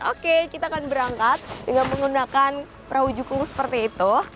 oke kita akan berangkat dengan menggunakan perahu jukung seperti itu